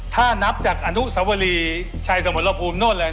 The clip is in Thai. ถ้านับจากอนุสวรีชัยสมรภูมิโน่นเลย